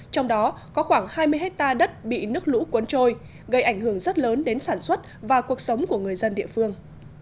trong đó có khoảng hai mươi hectare đất bị nước lũ cuốn trôi gây ảnh hưởng rất lớn đến sản xuất và cuộc sống của người dân địa phương